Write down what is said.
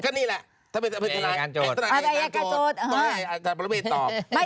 ก็นี่แหละถ้าเป็นธนายโจทย์ต้องให้อาจารย์ประโยชน์ตอบ